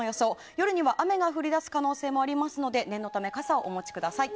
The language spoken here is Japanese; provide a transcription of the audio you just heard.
夜には雨が降り出す可能性もありますので念のため、傘をお持ちください。